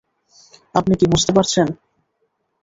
আপনি কী বুঝতে পারছেন?